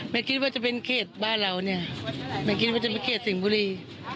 ไม่คิดว่าจะเป็นเครียดบ้านเราเนี่ยไม่คิดว่าจะเป็นเครียดสิ่งบุรี